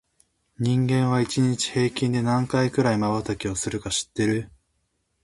人間は、一日に平均で何回くらいまばたきをするか知ってる？